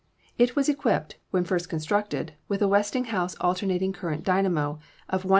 It was equipped, when first constructed, with a Westing house alternating current dynamo of 100 hp.